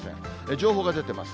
情報が出てます。